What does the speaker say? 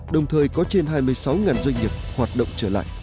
đồng thời có trên hai mươi sáu doanh nghiệp hoạt động trở lại